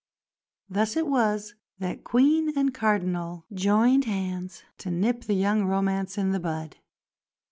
Thus it was that Queen and Cardinal joined hands to nip the young romance in the bud.